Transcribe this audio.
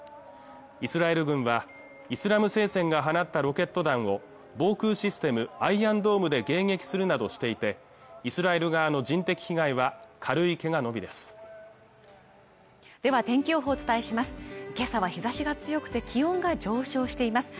イスラエル軍はイスラム聖戦が放ったロケット弾を防空システムアイアンドームで迎撃するなどしていてイスラエル側の人的被害は軽いケガのみですでは天気予報をお伝えしますけさは日差しが強くて気温が上昇しています